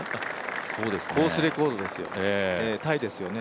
コースレコードですよタイですよね。